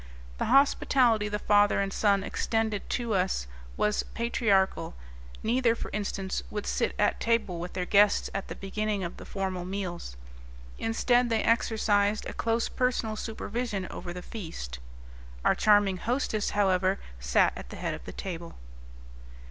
The hospitality the father and son extended to us was patriarchal: neither, for instance, would sit at table with their guests at the beginning of the formal meals; instead they exercised a close personal supervision over the feast. Our charming hostess, however, sat at the head of the table.